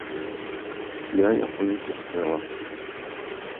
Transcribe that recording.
Я яго не сустрэла.